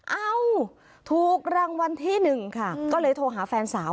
เอ้าถูกรางวัลที่หนึ่งค่ะก็เลยโทรหาแฟนสาว